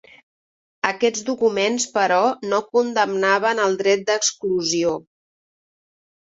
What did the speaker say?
Aquests documents, però, no condemnaven el dret d'exclusió.